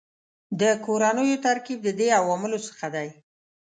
د کورنیو ترکیب د دې عواملو څخه دی